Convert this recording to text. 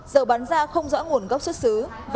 ba giờ bán ra không rõ nguồn gốc xuất xứ